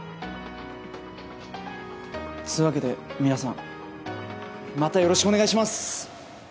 つうわけで皆さんまたよろしくお願いします。